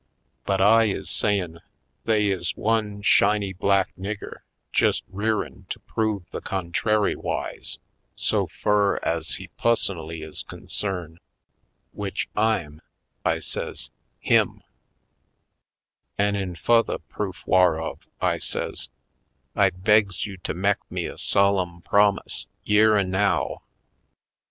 But I is sayin' they is one shiny black nigger jest rearin' to prove the contrarywise so fur ez he pussonally is concern', w'ich I'm," I says, "him I "An' in fu'ther proof whar'of," I says, "I begs you to mek me a solemn promise, yere an' now.